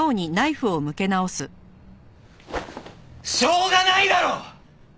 しょうがないだろ！